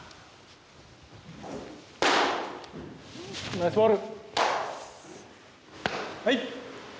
ナイスボール！